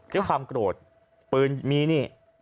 ด้วยความโกรธปืนมีนี่